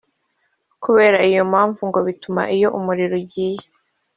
Kubera iyo mpamvu ngo bituma iyo umuriro ugiye